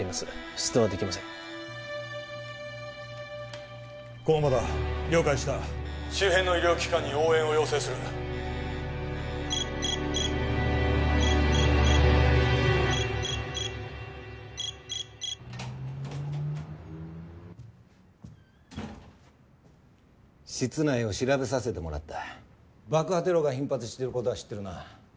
出動はできません駒場だ了解した周辺の医療機関に応援を要請する室内を調べさせてもらった爆破テロが頻発していることは知ってるな？